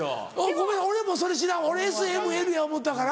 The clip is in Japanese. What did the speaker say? ごめん俺もそれ知らんわ俺ＳＭＬや思うてたから。